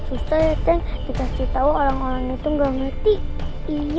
oh daya cewek dikasih tahu orang orang itu gak ngerti iya